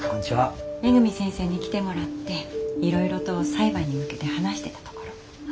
恵先生に来てもらっていろいろと裁判に向けて話してたところ。